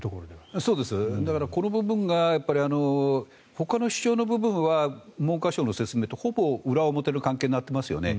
この部分がほかの主張の部分は文科省の説明とほぼ裏表の関係になっていますよね。